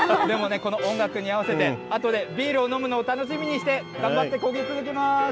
でもね、この音楽に合わせて、あとでビールを飲むのを楽しみにして頑張ってこぎ続けます。